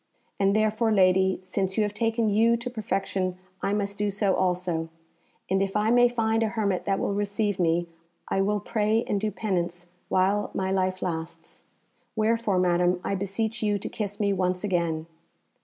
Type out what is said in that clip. And therefore, lady, since you have taken you to perfection, I must do so also, and if I may find a hermit that will receive me I will pray and do penance while my life lasts. Wherefore, Madam, I beseech you to kiss me once again."